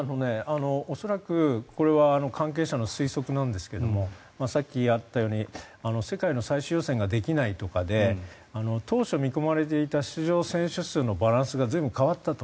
恐らく、これは関係者の推測なんですけれどもさっきあったように世界の最終予選ができないとかで当初見込まれていた出場選手数のバランスが随分変わったと。